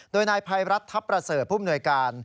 โดยนายภัยรัฐทัพประเสริฐผู้มนวยการ